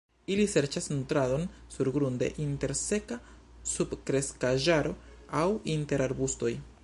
Ili serĉas nutradon surgrunde, inter seka subkreskaĵaro, aŭ inter arbustoj.